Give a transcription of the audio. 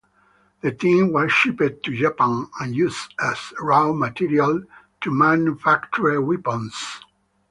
The tin was shipped to Japan and used as raw material to manufacture weapons.